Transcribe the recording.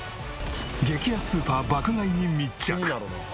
激安スーパー爆買いに密着！